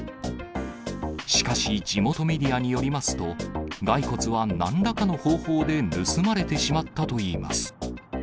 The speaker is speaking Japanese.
しかし、地元メディアによりますと、骸骨はなんらかの方法で盗まれてしまったといいます。